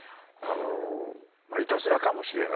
いたずらかもしれない。